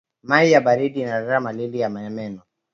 Mayi ya baridi inaletaka malalli ya meno